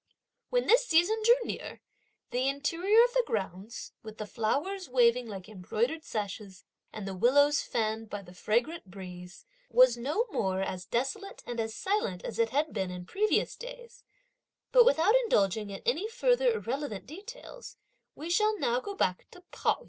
When this season drew near, the interior of the grounds, with the flowers waving like embroidered sashes, and the willows fanned by the fragrant breeze, was no more as desolate and silent as it had been in previous days; but without indulging in any further irrelevant details, we shall now go back to Pao yü.